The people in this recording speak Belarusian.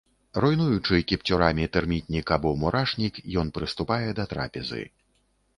Руйнуючы кіпцюрамі тэрмітнік або мурашнік, ён прыступае да трапезы.